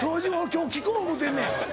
今日聞こう思うてんねん。